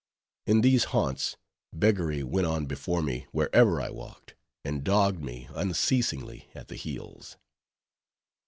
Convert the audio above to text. In these haunts, beggary went on before me wherever I walked, and dogged me unceasingly at the heels.